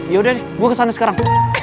yaudah deh gue kesana sekarang